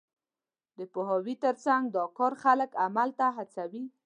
د پوهاوي تر څنګ، دا کار خلک عمل ته هڅوي.